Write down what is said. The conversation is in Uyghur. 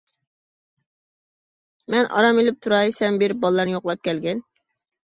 مەن ئارام ئېلىپ تۇراي، سەن بېرىپ بالىلارنى يوقلاپ كەلگىن.